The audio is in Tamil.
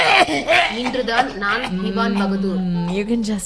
இன்று தான் நான் திவான்பகதூர்.